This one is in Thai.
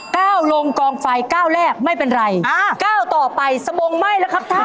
เก้าลงกองไฟเก้าแรกไม่เป็นไรเก้าต่อไปสมงไหม้ละครับท่าน